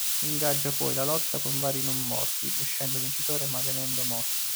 Ingaggia poi la lotta con vari non morti, uscendo vincitore ma venendo morso.